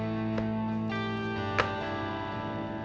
sampai jumpa lagi